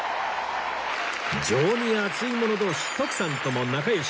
情に厚い者同士徳さんとも仲良し